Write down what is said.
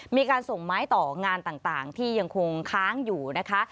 มีการส่งไม้ต่องานต่างที่ยังคงค้างอยู่นะคะ